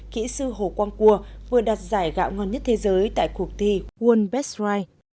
kỹ sư hồ quang cua vừa đặt giải gạo ngon nhất thế giới tại cuộc thi one best ride